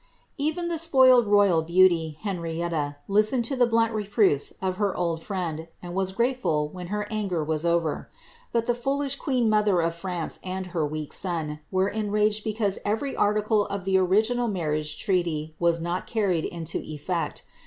Even the spoiled royal beauty, Henrietta, listened to the blunt reproofs of her old friend, and was grateful when her anger was over. But the foolish queen mother of France, and her weak son, were enraged because every article of the original marriage treaty wai not carried into efiect.